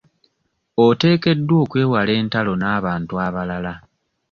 Oteekeddwa okwewala entalo n'abantu abalala.